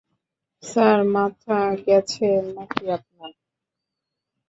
Sir মাথা গেছে না কি আপনার?